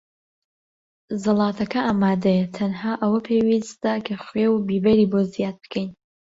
زەڵاتەکە ئامادەیە. تەنها ئەوە پێویستە کە خوێ و بیبەری بۆ زیاد بکەین.